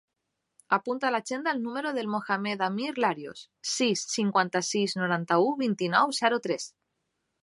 Apunta a l'agenda el número del Mohamed amir Larios: sis, cinquanta-sis, noranta-u, vint-i-nou, zero, tres.